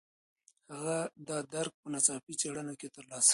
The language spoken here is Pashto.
هغې دا درک په ناڅاپي څېړنه کې ترلاسه کړ.